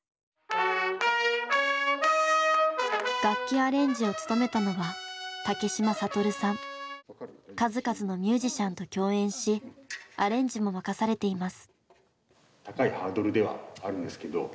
楽器アレンジを務めたのは数々のミュージシャンと共演しアレンジも任されています。